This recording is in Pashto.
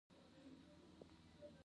د فیوژن له امله لمر انرژي تولیدوي.